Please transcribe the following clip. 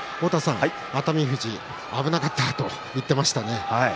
熱海富士は危なかったと言っていましたね。